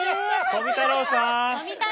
富太郎さん。